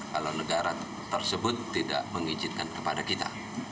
kalau negara tersebut tidak mengizinkan kepada kita